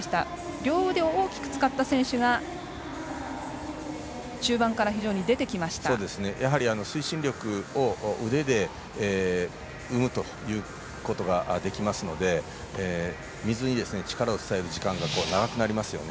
両腕を大きく使った選手が推進力を腕で生むということができますので水に力を伝える時間が長くなりますよね。